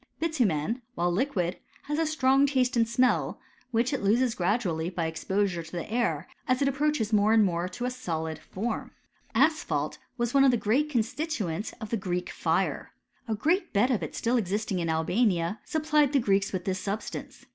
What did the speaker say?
Bitumen, while liquid, has a strong taste and smell, which it loses gradually by exposure to the air, as it approaches more and more to a solid form. Asphalt was one of the great constituents of the Greek fire. A great bed of it still existing in Albania, supplied the Greeks with this substance.